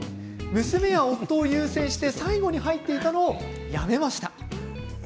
娘や夫を優先して最後に入っていたのをやめました。